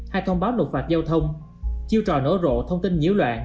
hay thông báo nộp phạt giao thông chiêu trò nở rộ thông tin nhiễu loạn